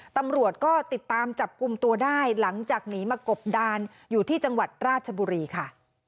ตำรวจก็ติดตามจับกลุ่มตัวได้หลังจากหนีมากบดานอยู่ที่จังหวัดราชบุรีค่ะ